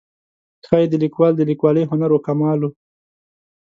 ښایي د لیکوال د لیکوالۍ هنر و کمال و.